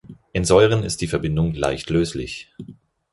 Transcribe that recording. In Säuren ist die Verbindung leicht löslich.